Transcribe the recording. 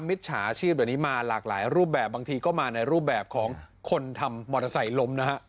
มิจฉาชีพแบบนี้มาหลากหลายรูปแบบบางทีก็มาในรูปแบบของคนทำมอเตอร์ไซค์ล้มนะฮะ